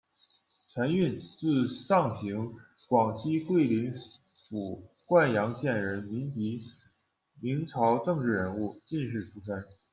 陈蕴，字上行，广西桂林府灌阳县人，民籍，明朝政治人物、进士出身。